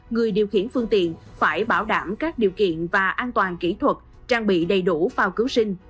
người điều khiển phương tiện phải bảo đảm các điều kiện và an toàn kỹ thuật trang bị đầy đủ phao cứu sinh